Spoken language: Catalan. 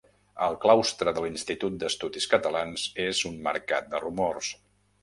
El claustre de l'Institut d'Estudis Catalans és un mercat de rumors.